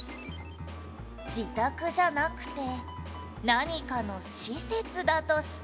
「自宅じゃなくて何かの施設だとしたら」